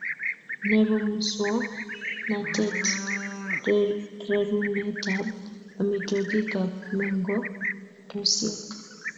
Nebo muswoknatet, rerunetab amitwogik ak mengotosyek